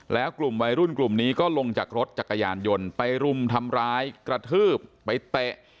แล้วกลุ่มวัยรุ่นกลุ่มนี้ก็ลงจากรถจักรยานยนต์ไปรุมทำร้ายกระทืบไปเตะ